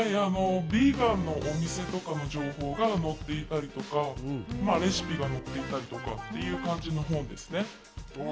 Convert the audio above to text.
ビーガンのお店とかの情報が載っていたりとか、レシピが載っていたりとか、という感じの本ですね。